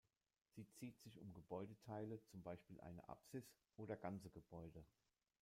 Sie zieht sich um Gebäudeteile, zum Beispiel eine Apsis oder ganze Gebäude.